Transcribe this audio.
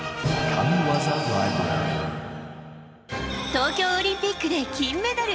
東京オリンピックで金メダル。